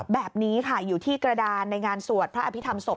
แบบนี้ค่ะอยู่ที่กระดานในงานสวดพระอภิษฐรรศพ